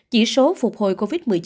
chỉ số phục hồi covid một mươi chín